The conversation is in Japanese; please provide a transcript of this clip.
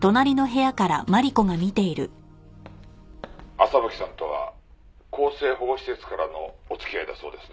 「朝吹さんとは更生保護施設からのお付き合いだそうですね」